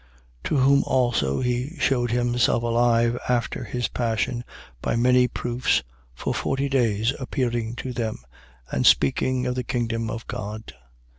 1:3. To whom also he shewed himself alive after his passion, by many proofs, for forty days appearing to them, and speaking of the kingdom of God.